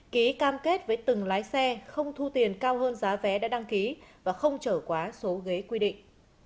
ký cam kết với từng lái xe không thu tiền cao hơn giá vé đã đăng ký và không trở quá số ghế quy định